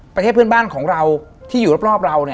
ประเทศเพื่อนบ้านของเราที่อยู่รอบเรา